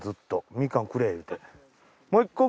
みかんくれ言うて。